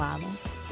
itu teman apa